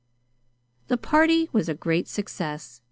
The party was a great success.